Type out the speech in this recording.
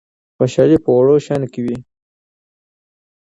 خوشحالي په وړو شیانو کي وي.